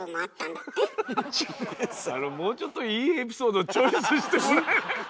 もうちょっといいエピソードチョイスしてもらえない？